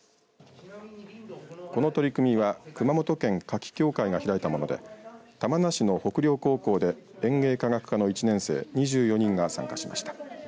この取り組みは熊本県花き協会が開いたもので玉名市の北稜高校で園芸科学科の１年生２４人が参加しました。